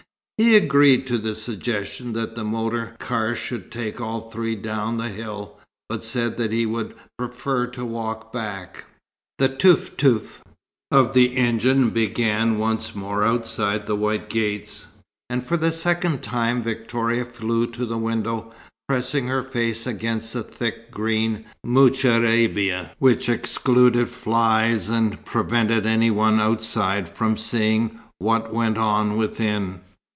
He agreed to the suggestion that the motor car should take all three down the hill, but said that he would prefer to walk back. The "teuf teuf" of the engine began once more outside the white gates; and for the second time Victoria flew to the window, pressing her face against the thick green moucharabia which excluded flies and prevented any one outside from seeing what went on within.